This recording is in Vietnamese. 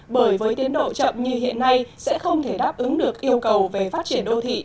bởi với tiến độ chậm như hiện nay sẽ không thể đáp ứng được yêu cầu về phát triển đô thị